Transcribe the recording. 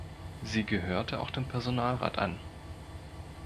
Sie gehörte auch dem Personalrat an.